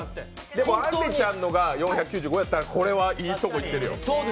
でも、あんりちゃんのが４９５だったら、これはいいところいってるよ。